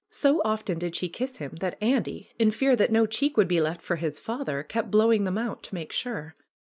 So often did she kiss him that Andy, in fear that no cheek would be left for his father, kept blowing them out to make sure.